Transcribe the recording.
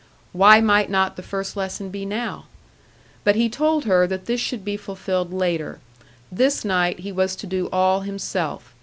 Why might not the first lesson be now? But he told her that this should be fulfilled later. This night he was to do all himself.